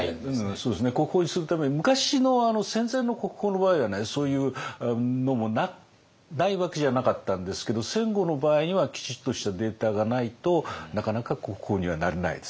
そうですね国宝にするために昔の戦前の国宝の場合はねそういうのもないわけじゃなかったんですけど戦後の場合にはきちっとしたデータがないとなかなか国宝にはなれないですね。